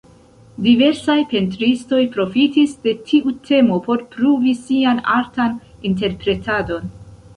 Diversaj pentristoj profitis de tiu temo por pruvi sian artan interpretadon.